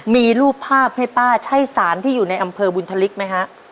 มีรูปภาพให้ป้าใช่สารที่อยู่ในอำเภอบุญธลิกไหมฮะ